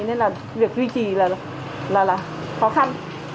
nên là việc duy trì là khó khăn